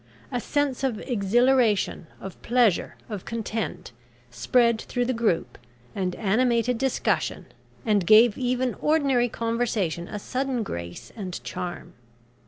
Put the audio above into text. A sense of exhilaration, of pleasure, of content, spread through the group, and animated discussion, and gave even ordinary conversation a sudden grace and charm.